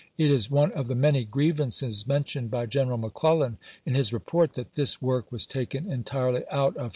It is one of the many gi'ievances mentioned by G eneral McClellan in his w. r. report, that this work was taken entirely out of p.